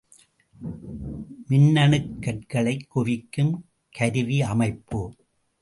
மின்னணுக் கற்றைகளைக் குவிக்கும் கருவியமைப்பு.